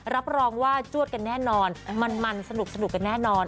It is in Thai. รับรองว่าจวดกันแน่นอนมันสนุกกันแน่นอน